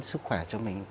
sức khỏe cho mình